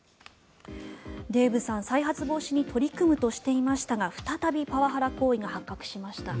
デーブさん、再発防止に取り組むとしていましたが再びパワハラ行為が発覚しました。